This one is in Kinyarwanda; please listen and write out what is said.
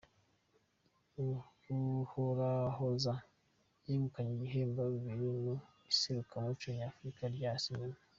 Ruhorahoza yegukanye ibihembo bibiri mu iserukiramuco nyafurika rya sinema